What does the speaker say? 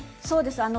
そうです。